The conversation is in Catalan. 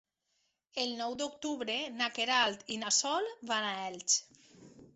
El nou d'octubre na Queralt i na Sol van a Elx.